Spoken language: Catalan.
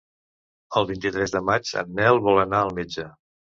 El vint-i-tres de maig en Nel vol anar al metge.